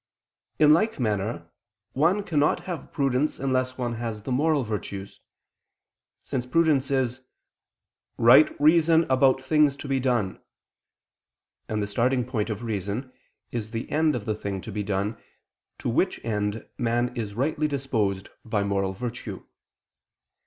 In like manner one cannot have prudence unless one has the moral virtues: since prudence is "right reason about things to be done," and the starting point of reason is the end of the thing to be done, to which end man is rightly disposed by moral virtue.